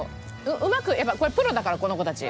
うまくプロだからこの子たち。